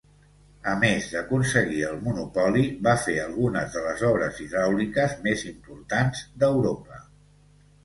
A més d'aconseguir el monopoli, va fer algunes de les obres hidràuliques més importants d'Europa.